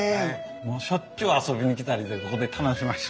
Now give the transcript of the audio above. もうしょっちゅう遊びに来たりでここで楽しませて。